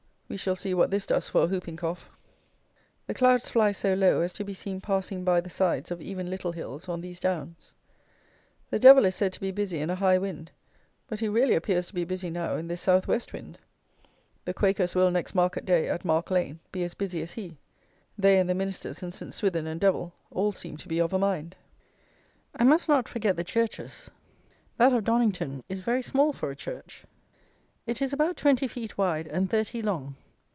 We shall see what this does for a hooping cough. The clouds fly so low as to be seen passing by the sides of even little hills on these downs. The Devil is said to be busy in a high wind; but he really appears to be busy now in this South West wind. The Quakers will, next market day, at Mark Lane, be as busy as he. They and the Ministers and St. Swithin and Devil all seem to be of a mind. I must not forget the churches. That of Donnington is very small for a church. It is about twenty feet wide and thirty long.